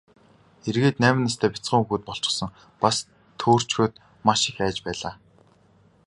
Эргээд найман настай бяцхан хүүхэд болчихсон, бас төөрчхөөд маш их айж байлаа.